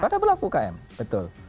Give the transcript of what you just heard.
kepada pelaku ukm betul